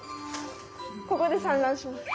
ここで産卵します。